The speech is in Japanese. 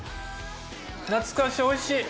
懐かしい、おいしい。